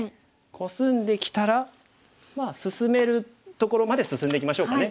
コスんできたらまあ進めるところまで進んでいきましょうかね。